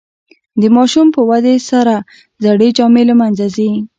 د ماشوم په ودې سره زړې جامې له منځه ځي.